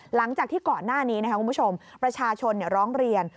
หลังจากที่ก่อนหน้านี้ประชาชนร้องเรียน